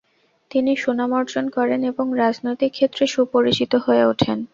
তিনি সুনাম অর্জন করেন এবং রাজনৈতিক ক্ষেত্রে সুপরিচিত হয়ে ওঠেন।